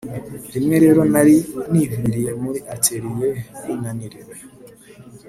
Rimwe rero nari niviriye muri atelier ninaniriwe